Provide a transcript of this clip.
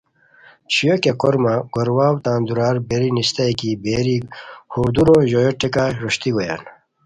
چھویو کیہ کورمہ گور واؤ تان دُورار بیری نیسیتائے کی بیری ہور دُورو ژویو ٹیکہ روشتی گویان